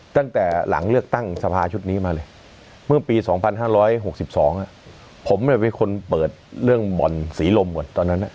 ตั้งแต่หลังเลือกตั้งสภาชุดนี้มาเลยเมื่อปี๒๕๖๒ผมเป็นคนเปิดเรื่องบ่อนศรีลมหมดตอนนั้น